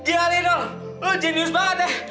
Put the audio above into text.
ya lino lu jenius banget ya